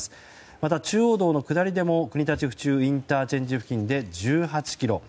また、中央道の下りでも国立府中ＩＣ付近で１８ｋｍ。